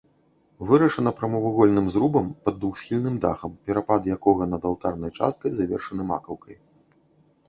Вырашана прамавугольным зрубам пад двухсхільным дахам, перапад якога над алтарнай часткай завершаны макаўкай.